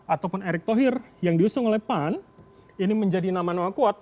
ataupun erick thohir yang diusung oleh pan ini menjadi nama nama kuat